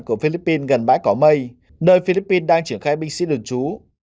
của philippines gần bãi cỏ mây nơi philippines đang triển khai binh sĩ đồn trú